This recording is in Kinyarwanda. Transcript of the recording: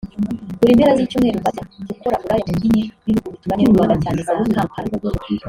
buri mpera z’icyumweru bajya gukora ubulaya mu mijyi y’ibihugu bituranye n’u Rwanda cyane za Kampala